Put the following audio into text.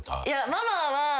いやママは。